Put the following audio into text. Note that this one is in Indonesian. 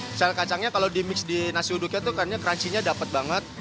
misalnya kacangnya kalau dimix di nasi uduknya itu karena crunchy nya dapat banget